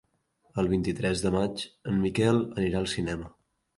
El vint-i-tres de maig en Miquel anirà al cinema.